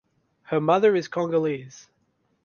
Her mother is Congolese.